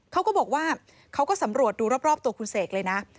เขาก็บอกว่าเขาก็สำรวจดูรอบตัวคุณเสกเลยนะ